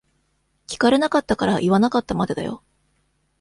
聞かれなかったから言わなかったまでだよ。